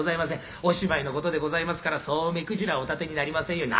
「お芝居の事でございますからそう目くじらをお立てになりませんように。